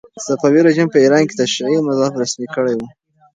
صفوي رژیم په ایران کې تشیع مذهب رسمي کړی و.